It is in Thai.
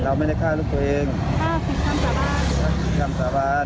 ไม่ได้ฆ่าลูกตัวเองฆ่าผิดคำสาบานทำสาบาน